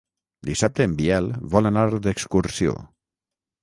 Dissabte en Biel vol anar d'excursió.